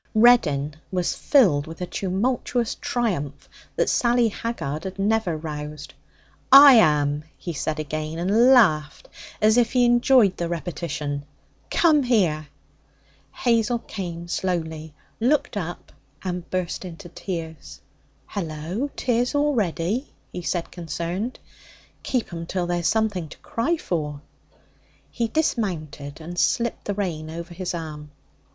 Reddin was filled with a tumultuous triumph that Sally Haggard had never roused. 'I am,' he said again, and laughed as if he enjoyed the repetition. 'Come here!' Hazel came slowly, looked up, and burst into tears. 'Hello! Tears already?' he said, concerned. 'Keep 'em till there's something to cry for.' He dismounted and slipped the rein over his arm.